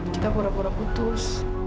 kita pura pura putus